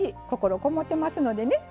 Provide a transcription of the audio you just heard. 心籠もってますのでね